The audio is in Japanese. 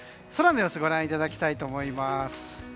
空の様子ご覧いただきたいと思います。